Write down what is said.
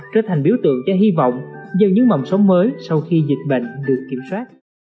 trở thành biểu tượng cho hy vọng do những mầm sống mới sau khi dịch bệnh được kiểm soát